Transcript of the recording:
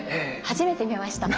初めて見ました。